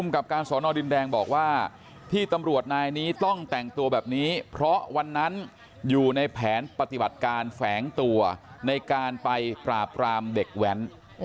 กับการสอนอดินแดงบอกว่าที่ตำรวจนายนี้ต้องแต่งตัวแบบนี้เพราะวันนั้นอยู่ในแผนปฏิบัติการแฝงตัวในการไปปราบรามเด็กแว้น